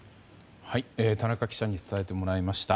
田中記者に伝えてもらいました。